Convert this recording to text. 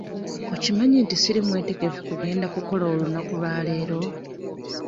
Okimanyi nti siri mwetegefu gugenda kukola olunaku lwa leero?